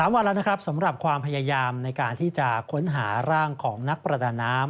วันแล้วนะครับสำหรับความพยายามในการที่จะค้นหาร่างของนักประดาน้ำ